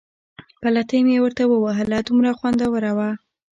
پلتۍ مې ورته ووهله، دومره خوندوره وه.